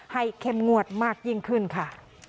เข้มงวดมากยิ่งขึ้นค่ะ